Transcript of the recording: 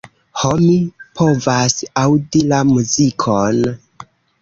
Ho, mi povas aŭdi la muzikon.